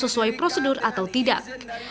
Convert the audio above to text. sesuai prosedur atau tidak